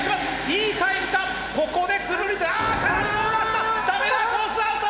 いいタイムかここでくるりと。